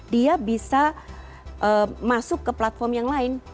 dia bisa masuk ke platform yang lain